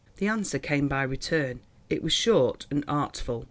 The answer came by return. It was short and artful.